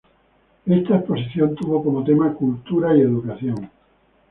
Esta exposición tuvo como tema "Cultura y Educación".